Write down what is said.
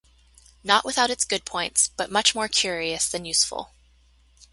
Not without its good points, but much more curious than useful.